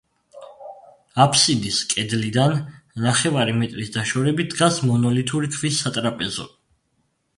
აფსიდის კედლიდან ნახევარი მეტრის დაშორებით დგას მონოლითური ქვის სატრაპეზო.